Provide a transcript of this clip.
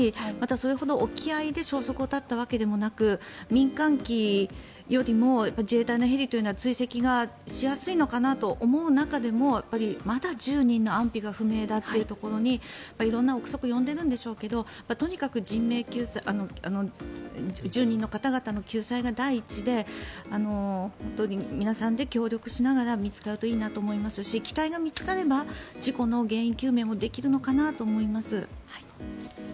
、それほど沖合で消息を絶ったわけでもなく民間機よりも自衛隊のヘリというのは追跡がしやすいのかなと思う中でもまだ１０人の安否が不明だというところに色んな臆測を呼んでるんでしょうけどとにかく１０人の方々の救済が第一で皆さんで協力しながら見つかるといいなと思いますし機体が見つかれば事故の原因究明もできるのかなと思います。